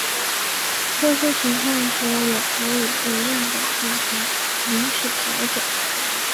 特殊情况时也可能对样本进行临时调整。